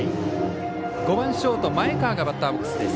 ５番ショートの前川がバッターボックスです。